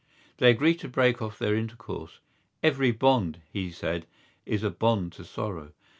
They agreed to break off their intercourse: every bond, he said, is a bond to sorrow.